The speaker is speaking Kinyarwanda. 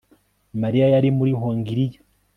Mariya yari muri Hongiriya